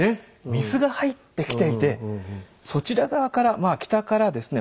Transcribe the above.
水が入ってきていてそちら側から北からですね